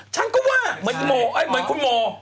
ฉันก็ว่าไงเหมือนคุณโม